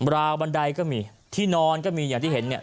ราวบันไดก็มีที่นอนก็มีอย่างที่เห็นเนี่ย